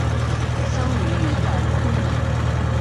生于云南昆明。